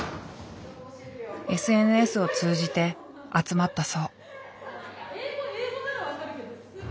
ＳＮＳを通じて集まったそう。